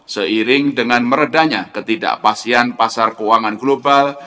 seiring dengan meredanya ketidakpastian pasar keuangan global